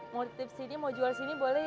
mau nitip sini mau jual sini boleh ye